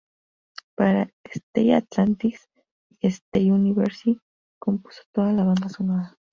Para "Stargate Atlantis" y "Stargate Universe" compuso toda la banda sonora.